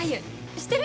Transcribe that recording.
知ってる？